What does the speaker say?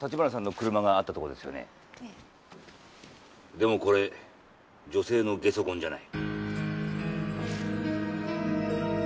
でもこれ女性のゲソ痕じゃない。